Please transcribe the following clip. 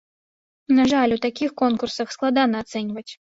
На жаль, у такіх конкурсах складана ацэньваць.